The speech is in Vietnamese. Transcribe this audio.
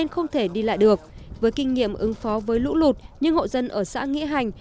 không thể đi lại được với kinh nghiệm ứng phó với lũ lụt nhưng hộ dân ở xã nghĩa hành